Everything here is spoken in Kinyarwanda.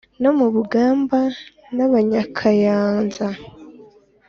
no mu bugamba n’abanyakayanza